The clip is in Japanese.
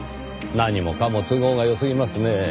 何もかも都合が良すぎますねぇ。